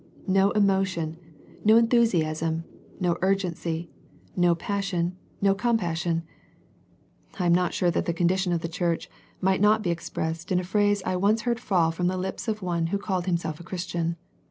No emotion, no enthusiasm, no urgency, no passion, no com passion. I am not sure that the condition of the church might not be expressed in a phrase I once heard fall from the lips of one who The Laodicea Letter 197 called himself a Christian.